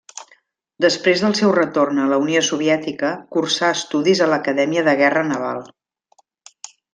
Després del seu retorn a la Unió Soviètica, cursà estudis a l'Acadèmia de Guerra Naval.